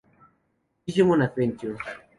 Digimon Adventure